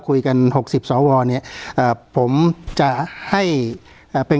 การแสดงความคิดเห็น